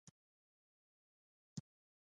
ایا ستاسو عدالت به تامین شي؟